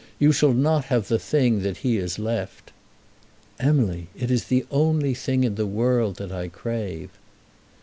"You shall not have the thing that he has left." "Emily, it is the only thing in the world that I crave."